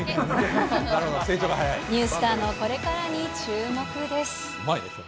ニュースターのこれからに注目です。